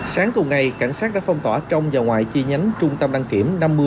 sáng tuần ngày cảnh sát đã phong tỏa trong và ngoài chi nhánh trung tâm đăng kiểm